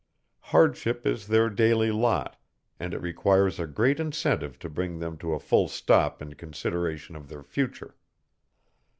Hardship is their daily lot, and it requires a great incentive to bring them to a full stop in consideration of their future.